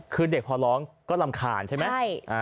คือเด็กพอร้องก็รำคาญใช่ไหม